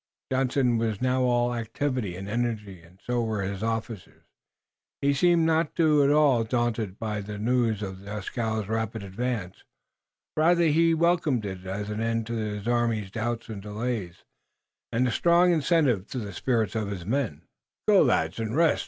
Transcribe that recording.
Johnson was now all activity and energy and so were his officers. He seemed not at all daunted by the news of Dieskau's rapid advance. Rather he welcomed it as an end to his army's doubts and delays, and as a strong incentive to the spirits of the men. "Go, lads, and rest!"